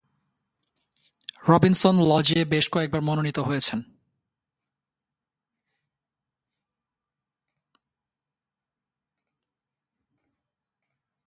Robinson লজে বেশ কয়েকবার মনোনীত হয়েছেন।